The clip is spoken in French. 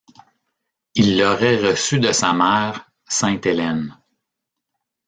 Il l'aurait reçu de sa mère, sainte Hélène.